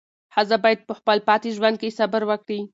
ښځه باید په خپل پاتې ژوند کې صبر وکړي.